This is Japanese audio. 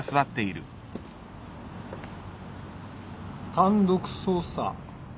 単独捜査。